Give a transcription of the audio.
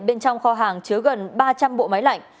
bên trong kho hàng chứa gần ba trăm linh bộ máy lạnh